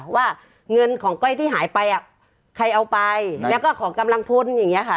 ว่าเงินของก้อยที่หายไปอ่ะใครเอาไปแล้วก็ของกำลังพลอย่างนี้ค่ะ